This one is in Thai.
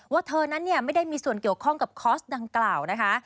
เธอนั้นไม่ได้มีส่วนเกี่ยวข้องกับคอร์สดังกล่าวนะคะ